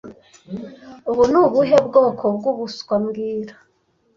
Ubu ni ubuhe bwoko bwubuswa mbwira